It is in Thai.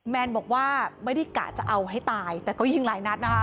แนนบอกว่าไม่ได้กะจะเอาให้ตายแต่ก็ยิงหลายนัดนะคะ